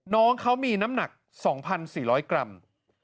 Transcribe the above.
น้องเขามีน้ำหนัก๒๔๐๐กรัม